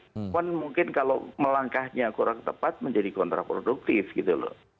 cuman mungkin kalau melangkahnya kurang tepat menjadi kontraproduktif gitu loh